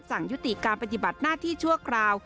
สั่งยุติการปฏิบัติหน้าที่ชั่วคราว